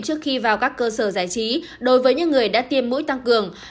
trước khi vào các cơ sở giải trí đối với những người đã tiêm mũi tăng cường